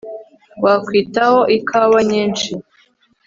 wakwitaho ikawa nyinshi